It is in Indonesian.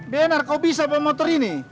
benar kau bisa pemotor ini